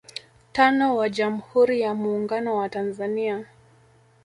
tano wa Jamhuri ya Muungano wa Tanzania